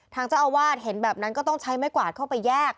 ทางเจ้าอาวาสเห็นแบบนั้นก็ต้องใช้ไม้กวาดเข้าไปแยก